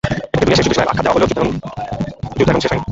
এটাকে দুনিয়ার শেষ যুদ্ধ হিসেবে আখ্যা দেওয়া হলেও যুদ্ধ এখনো শেষ হয়নি।